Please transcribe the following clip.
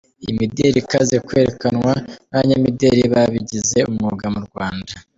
Iyi mideli ikaza kwerekanwa n’abanyamideli babigize umwuga mu Rwanda.